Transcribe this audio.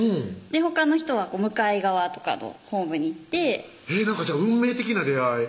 ほかの人は向かい側とかのホームに行ってなんか運命的な出会い